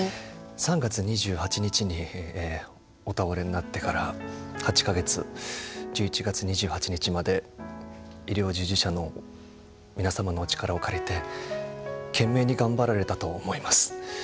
３月２８日にお倒れになってから８か月１１月２８日まで医療従事者の皆様のお力を借りて懸命に頑張られたと思います。